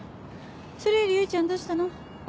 それより唯ちゃんどうしたの？